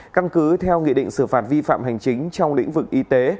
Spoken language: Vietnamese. căn cứ theo nghị định xử phạt vi phạm hành chính trong lĩnh vực y tế